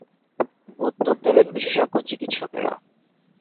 উত্তর দেবেন বিশেষজ্ঞ চিকিৎসকেরা।